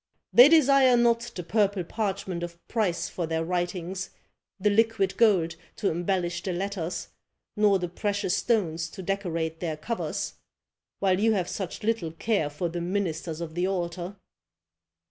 They desire not the purple parchment of price for their writings, the liquid gold to embellish the letters, nor the precious stones to decorate their covers, while you have such little care for the ministers of the altar."